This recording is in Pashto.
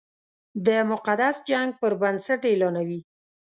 د مقدس جنګ پر بنسټ اعلانوي.